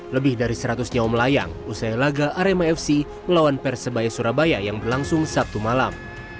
lebih dari seratus nyawa melayang usai laga arema fc melawan persebaya surabaya yang berlangsung sabtu malam